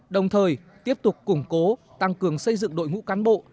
đồng thời tiếp tục củng cố tăng cường xây dựng đội ngũ cán bộ